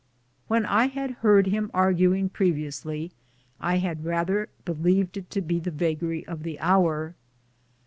When I had heard him arguing previously I had rather believed it to be the vagary of the hour.